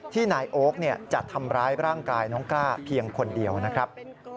นายโอ๊คจะทำร้ายร่างกายน้องกล้าเพียงคนเดียวนะครับ